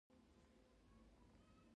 بزګرانو فیوډالي دولت ته زیاته مالیه ورکوله.